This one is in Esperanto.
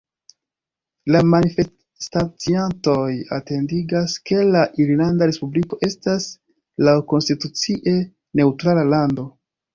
La manifestaciantoj atentigas, ke la Irlanda Respubliko estas laŭkonstitucie neŭtrala lando.